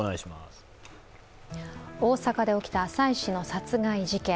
大阪で起きた妻子の殺害事件。